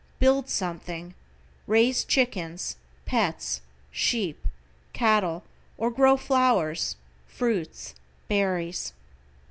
Build something, raise chickens, pets, sheep, cattle, or grow flowers, fruits, berries.